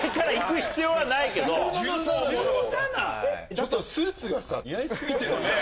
ちょっとスーツがさ、似合い過ぎてるね。